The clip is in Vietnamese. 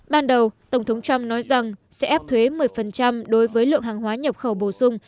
ban đầu tổng thống trump nói rằng sẽ áp thuế một mươi đối với lượng hàng hóa nhập khẩu bổ sung